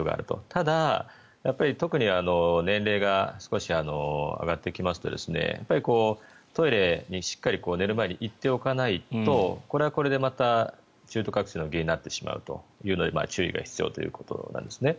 ただ、特に年齢が少し上がってきますとトイレにしっかり寝る前に行っておかないとこれはこれで中途覚醒の原因になってしまうので注意が必要なんですね。